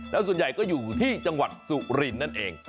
แล้วส่วนใหญ่ก็อยู่ที่จังหวัดสุรินทร์นั่นเอง